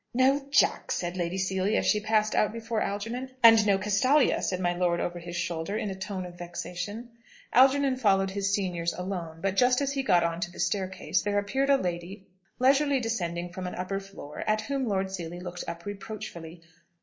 "No Jack," said Lady Seely, as she passed out before Algernon. "And no Castalia!" said my lord over his shoulder, in a tone of vexation. Algernon followed his seniors alone; but just as he got out on to the staircase there appeared a lady, leisurely descending from an upper floor, at whom Lord Seely looked up reproachfully.